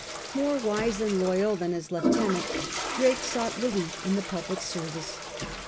More wise and loyal than his lieutenant, Drake sought relief in the public service.